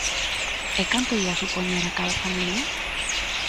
¿E canto ía supoñer a cada familia?